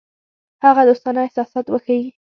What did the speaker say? هغه دوستانه احساسات وښيي.